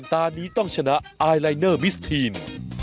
ตอนนี้ต้องชนะไอลายเนอร์มิสทีน